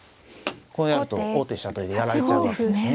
こうやると王手飛車取りでやられちゃうわけですね。